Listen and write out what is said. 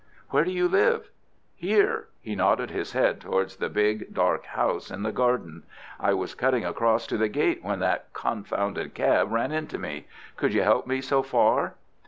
"Where do you live?" "Here!" he nodded his head towards the big, dark house in the garden. "I was cutting across to the gate when that confounded cab ran into me. Could you help me so far?"